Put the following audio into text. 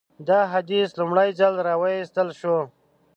دا حدیث لومړی ځل راوایستل شو.